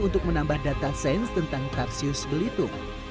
untuk menambah data sains tentang tarsius belitung